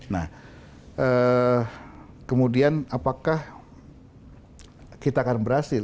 nah kemudian apakah kita akan berhasil